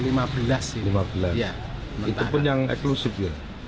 lima belas itu pun yang eksklusif ya